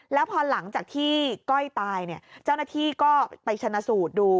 แล้วพอหลังจากที่ก้อยตายเนี่ยเจ้าหน้าที่ก็ไปชนะสูตรดู